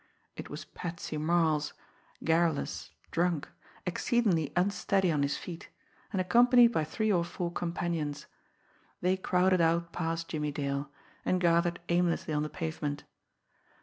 It was Patsy Marles, garrulous, drunk, exceedingly unsteady on his feet, and accompanied by three or four companions. They crowded out past Jimmie Dale, and gathered aimlessly on the pavement.